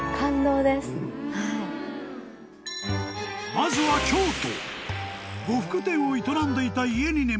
［まずは京都］